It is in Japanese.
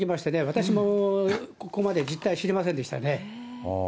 私もここまで実態知りませんでしたね。